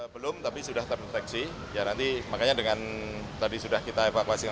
belum tapi sudah terdeteksi ya nanti makanya dengan tadi sudah kita evakuasi